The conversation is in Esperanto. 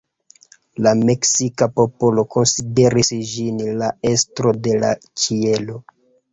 La meksika popolo konsideris ĝin la estro de la ĉielo.